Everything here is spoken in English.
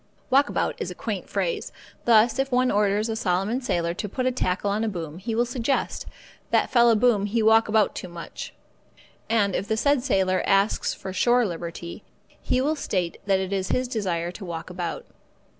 Walk about is a quaint phrase. Thus, if one orders a Solomon sailor to put a tackle on a boom, he will suggest, "That fella boom he walk about too much." And if the said sailor asks for shore liberty, he will state that it is his desire to walk about.